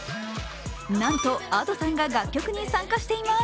なんとＡｄｏさんが楽曲に参加しています。